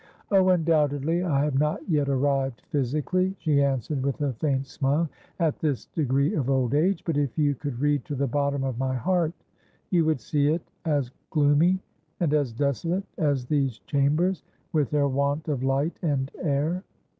"Oh, undoubtedly I have not yet arrived physically," she answered with a faint smile, "at this degree of old age, but if you could read to the bottom of my heart, you would see it as gloomy and as desolate as these chambers with their want of light and air."